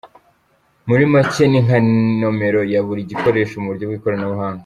Muri macye ni nka nomero ya buri gikoresho mu buryo bw’ikoranabuhanga.